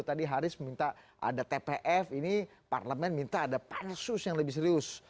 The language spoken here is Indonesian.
tadi haris meminta ada tpf ini parlemen minta ada pansus yang lebih serius